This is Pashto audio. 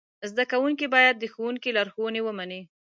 زده کوونکي باید د ښوونکي لارښوونې ومني.